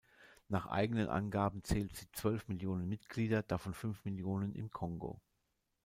Nach eigenen Angaben zählt sie zwölf Millionen Mitglieder, davon fünf Millionen im Kongo.